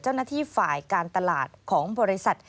เจ้าหน้าที่ฝ่ายการตลาดของบริษัท